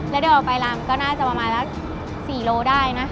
แล้วเดินออกไปลำก็น่าจะประมาณสัก๔โลได้นะ